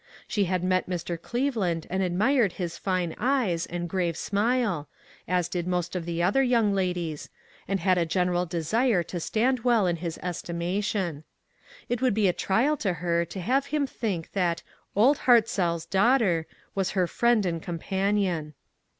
She had met Mr. Cleveland and admired his fine eyes, and grave smile, as did most of the other young ladies, and had a general desire to stand well in his estimation. It would be a trial to her to have him think that " Old Hart zell's" daughter was her friend and com panion.